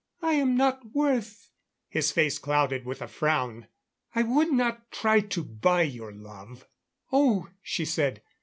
"I am not worth " His face clouded with a frown. "I would not try to buy your love " "Oh," she said.